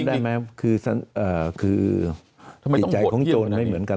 คุณน้องจำได้ไหมคือจิตใจของโจนไม่เหมือนกัน